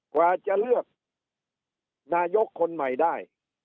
กว่าจะเลือกนายกคนใหม่ได้